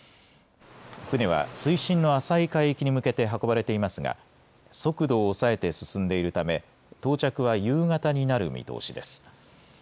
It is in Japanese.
船は水深の浅い海域に向けて運ばれていますが速度を抑えて進んでいるため到着は夕方になる見通しです。